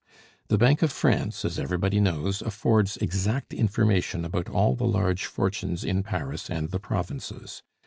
The Bank of France, as everybody knows, affords exact information about all the large fortunes in Paris and the provinces.